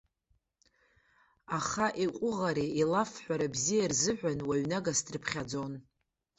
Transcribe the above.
Аха иҟәыӷареи илафҳәара бзиеи рзыҳәан, уаҩ нагас дрыԥхьаӡон.